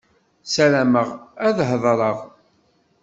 Sarameɣ ad ḥeḍreɣ.